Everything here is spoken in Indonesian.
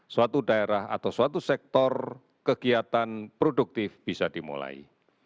suatu daerah atau suatu sektor kegiatan produktif bisa dimulai